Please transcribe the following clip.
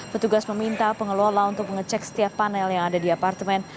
petugas meminta pengelola untuk mengecek setiap panel yang ada di apartemen